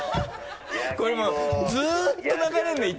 これもうずっと流れるんだよ